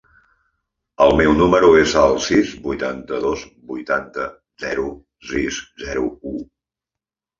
El meu número es el sis, vuitanta-dos, vuitanta, zero, sis, zero, u.